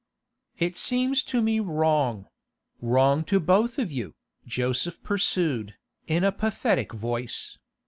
'It seems to me wrong—wrong to both of you,' Joseph pursued, in a pathetic voice.